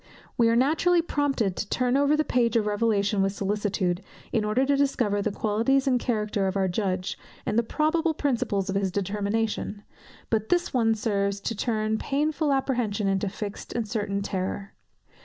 We are naturally prompted to turn over the page of revelation with solicitude, in order to discover the qualities and character of our Judge, and the probable principles of his determination; but this only serves to turn painful apprehension into fixed and certain terror.